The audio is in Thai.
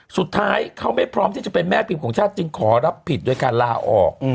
สุดท้ายเขาไม่พร้อมที่จะเป็นแม่พิมพ์ของชาติจึงขอรับผิดโดยการลาออก